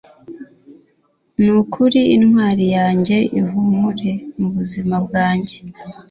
nukuri intwari yanjye, ihumure mubuzima bwanjye